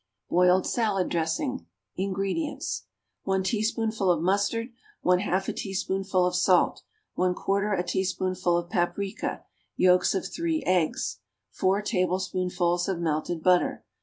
=Boiled Salad Dressing.= INGREDIENTS. 1 teaspoonful of mustard. 1/2 a teaspoonful of salt. 1/4 a teaspoonful of paprica. Yolks of 3 eggs. 4 tablespoonfuls of melted butter.